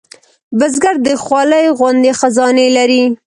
بزګر د خولې غوندې خزانې لري